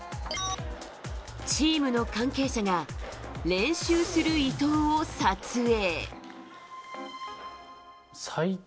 チームの関係者が練習する伊藤を撮影。